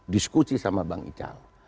diskusi sama bang ical